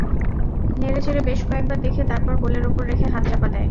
নেড়ে চেড়ে বেশ কয়েকবার দেখে, তারপর কোলের ওপর রেখে হাত চাপা দেয়।